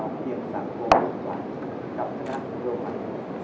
สวัสดีครับสวัสดีครับสวัสดีครับสวัสดีครับ